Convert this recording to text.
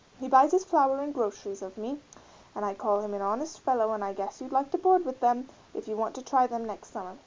He buys his flour and groceries of me and I call him a honest fellow and I guess you'd like to board with them if you want to try them next summer.